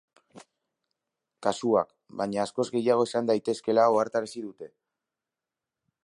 Kasuak, baina, askoz gehiago izan daitezkeela ohartarazi dute.